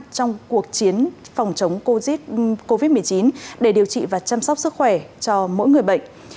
trong cuộc chiến phòng chống covid một mươi chín để điều trị và chăm sóc sức khỏe cho mỗi người bệnh